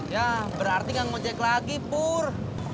ya berarti nggak ngocek lagi pur